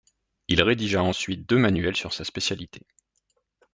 Il rédigea ensuite deux manuels sur sa spécialité.